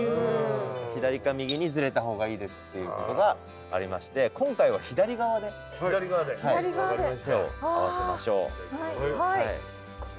左か右にずれた方がいいですっていうことがありまして今回は左側で手を合わせましょう。